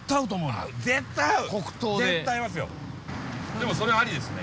でもそれありですね。